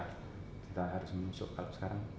kita harus mengusuk kalau sekarang